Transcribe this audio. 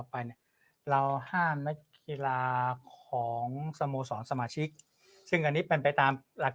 ไปเนี่ยเราห้ามนักกีฬาของสโมสรสมาชิกซึ่งอันนี้เป็นไปตามหลัก